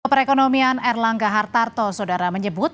perekonomian erlangga hartarto saudara menyebut